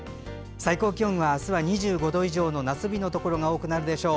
最高気温は明日は２５度以上の夏日のところが多くなるでしょう。